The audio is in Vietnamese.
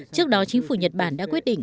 trước đó chính phủ nhật bản đã quyết định